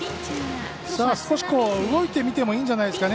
少し動いてみてもいいんじゃないですかね。